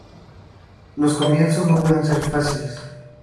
Los comienzos no suelen ser fáciles.